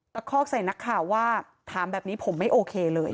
คอกใส่นักข่าวว่าถามแบบนี้ผมไม่โอเคเลย